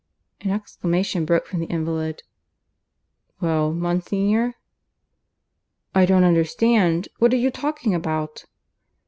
An exclamation broke from the invalid. "Well, Monsignor?" "I don't understand. What are you talking about?"